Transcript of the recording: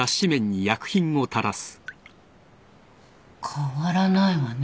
変わらないわね。